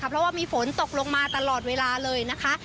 เพราะว่ามีฝนตกลงมาตลอดเวลาเลยนะคะ